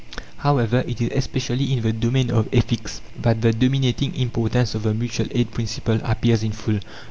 However, it is especially in the domain of ethics that the dominating importance of the mutual aid principle appears in full.